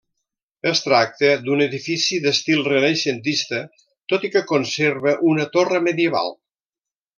Es tracta d'un edifici d'estil renaixentista tot i que conserva una torre medieval.